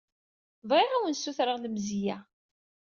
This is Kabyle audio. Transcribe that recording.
Bɣiɣ ad awen-ssutreɣ lemzeyya.